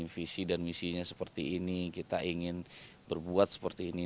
visi dan misinya seperti ini kita ingin berbuat seperti ini